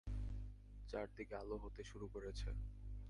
চারদিকে আলো হতে শুরু করেছে।